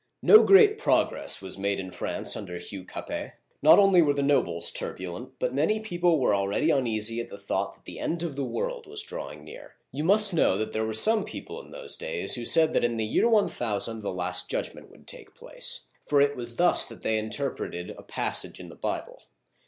No great progress was made in France under Hugh Capet. Not only were the nobles turbulent, but many people were already uneasy at the thought that the end of the world was drawing near. You must know that there were some people in those days who said that in the year icxx) the Last Judgment would take place ; for it was thus that they interpreted a passage in the Bible.